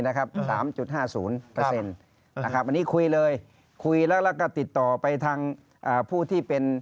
อันนี้คุยเลยคุยแล้วก็ติดต่อไปทางผู้ที่เป็น